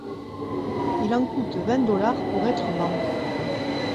Il en coûte vingt dollars pour être membre.